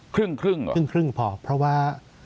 ครึ่งเหรอครึ่งพอเพราะว่า